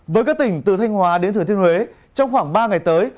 với các tỉnh từ thanh hóa đến thừa thiên huế trong khoảng ba ngày tới